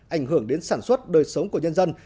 ảnh hưởng đến sản xuất đời sống của nhân dân